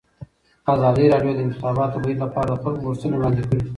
ازادي راډیو د د انتخاباتو بهیر لپاره د خلکو غوښتنې وړاندې کړي.